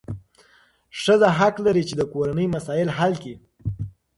ښځه حق لري چې د کورنۍ مسایل حل کړي.